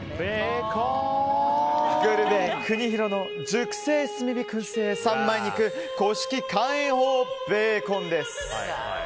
ぐるめくにひろの熟成炭火燻製三枚肉古式乾塩法ベーコンです。